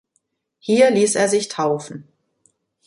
Hier liess er sich taufen.